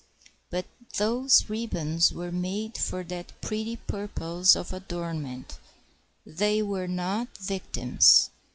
But those ribbons were made for that pretty purpose of adornment; they were not victims.